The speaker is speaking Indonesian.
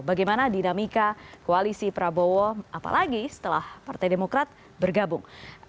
bagaimana dinamika koalisi prabowo apalagi setelah partai demokrat bergabung